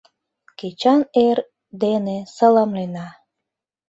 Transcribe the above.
— Кечан эр дене саламлена!